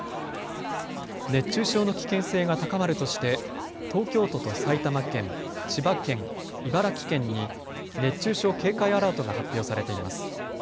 熱中症の危険性が高まるとして東京都と埼玉県、千葉県、茨城県に熱中症警戒アラートが発表されています。